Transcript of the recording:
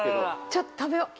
ちょっと食べよ